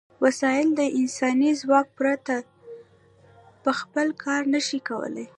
وسایل د انساني ځواک پرته په خپله کار نشي کولای.